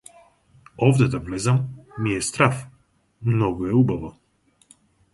Овде да влезам, ми е страв, многу е убаво.